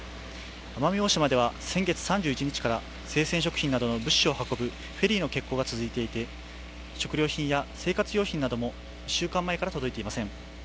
奄美大島では先月３１日から生鮮食品などの物資を運ぶフェリーの欠航が続いていて食料品や生活用品なども１週間前から届いていません。